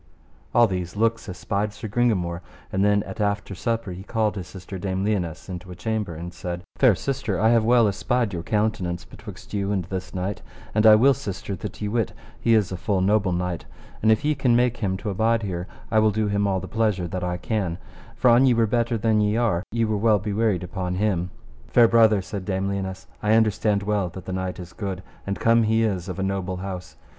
All these looks espied Sir Gringamore, and then at after supper he called his sister Dame Lionesse into a chamber, and said: Fair sister, I have well espied your countenance betwixt you and this knight, and I will, sister, that ye wit he is a full noble knight, and if ye can make him to abide here I will do him all the pleasure that I can, for an ye were better than ye are, ye were well bywaryd upon him. Fair brother, said Dame Lionesse, I understand well that the knight is good, and come he is of a noble house.